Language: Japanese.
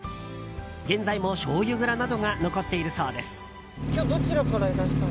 現在も、しょうゆ蔵などが残っているそうです。